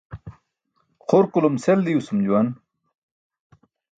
Xurkulum sel diwsum juwan.